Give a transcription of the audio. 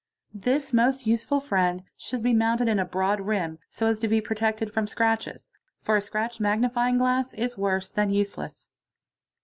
This most useful friend should be /mounted in a broad rim, so as to be protected from scratches, for a cratched magnifying glass is worse than useless.